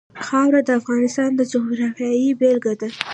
خاوره د افغانستان د جغرافیې بېلګه ده.